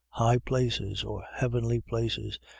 High places, or heavenly places.